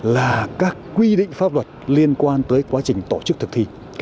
là các quy định pháp luật liên quan tới quá trình tổ chức thực thi